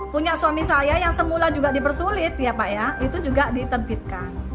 punya suami saya yang semula juga dipersulit ya pak ya itu juga diterbitkan